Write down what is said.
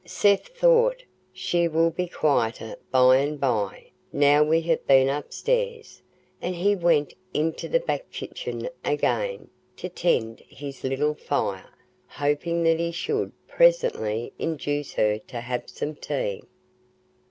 Seth thought, "She will be quieter by and by, now we have been upstairs"; and he went into the back kitchen again, to tend his little fire, hoping that he should presently induce her to have some tea.